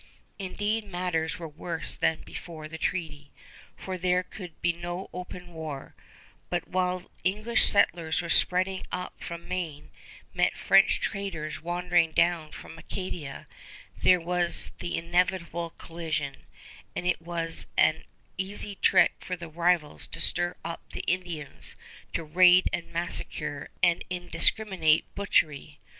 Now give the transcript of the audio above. Indeed, matters were worse than before the treaty, for there could be no open war; but when English settlers spreading up from Maine met French traders wandering down from Acadia, there was the inevitable collision, and it was an easy trick for the rivals to stir up the Indians to raid and massacre and indiscriminate butchery.